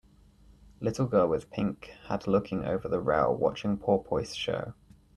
Little girl with pink had looking over the rail watching porpoise show.